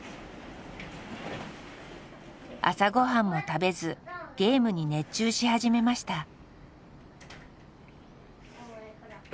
朝ごはんも食べずゲームに熱中し始めました。